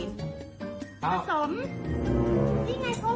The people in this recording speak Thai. ที่ไงโครตกว่ามีมูล